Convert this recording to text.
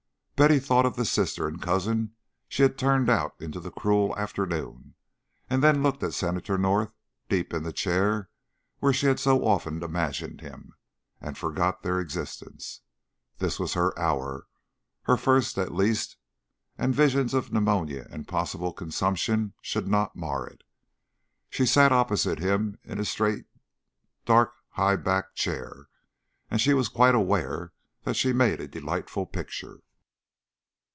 Betty thought of the sister and cousin she had turned out into the cruel afternoon, and then looked at Senator North deep in the chair where she had so often imagined him, and forgot their existence. This was her hour her first, at least and visions of pneumonia and possible consumption should not mar it. She sat opposite him in a straight dark high backed chair, and she was quite aware that she made a delightful picture.